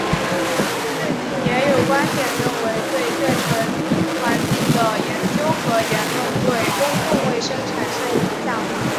最近也有观点认为对建成环境的研究和言论对公共卫生产生影响。